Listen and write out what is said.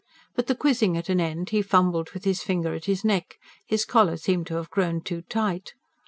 But, the quizzing at an end, he fumbled with his finger at his neck his collar seemed to have grown too tight.